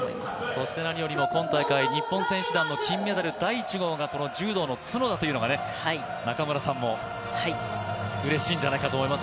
そして何よりも今大会日本選手団の金メダル第１号というのがね中村さんもうれしいんじゃないかと思います。